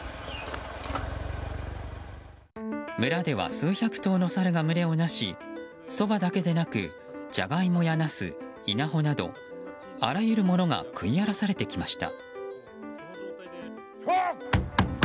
村では数百頭のサルが群れをなしソバだけでなくジャガイモやナス、稲穂などあらゆるものが食い荒らされてきました。